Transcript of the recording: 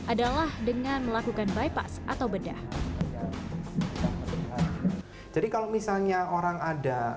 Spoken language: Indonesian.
adalah dengan melakukan bypass atau bedah jadi kalau misalnya orang ada